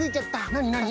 なになに？